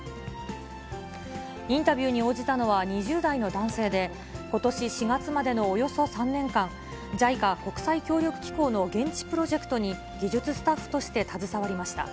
インタビューに応じたのは、２０代の男性で、ことし４月までのおよそ３年間、ＪＩＣＡ・国際協力機構の現地プロジェクトに技術スタッフとして携わりました。